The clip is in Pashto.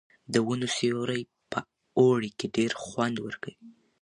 د ونو سیوری په اوړي کې ډېر خوند ورکوي.